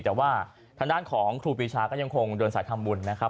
แต่ว่าทางด้านของครูปีชาก็ยังคงเดินสายทำบุญนะครับ